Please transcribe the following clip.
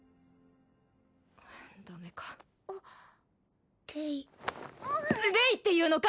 ダメかレイレイっていうのか？